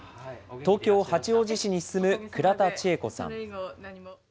東京・八王子市に住む倉田千恵子さん。